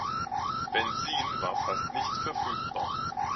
Benzin war fast nicht verfügbar.